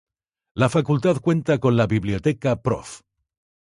La Facultad cuenta con la Biblioteca Prof.